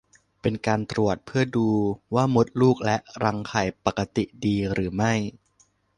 เป็นการตรวจเพื่อดูว่ามดลูกและรังไข่ปกติดีหรือไม่